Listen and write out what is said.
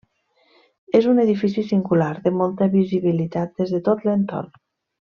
És un edifici singular, de molta visibilitat des de tot l'entorn.